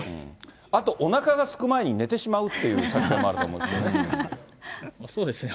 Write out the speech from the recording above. あとおなかがすく前に寝てしまうっていう作戦もあると思うんそうですね。